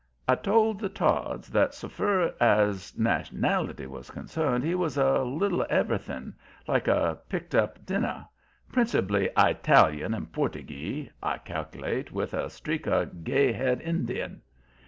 I told the Todds that, so fur as nationality was concerned he was a little of everything, like a picked up dinner; principally Eyetalian and Portugee, I cal'late, with a streak of Gay Head Injun.